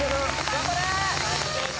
頑張れ！